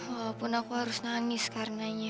walaupun aku harus nangis karenanya